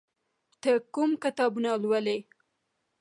ته کوم کتابونه ولې؟